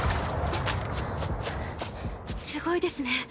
すごいですね。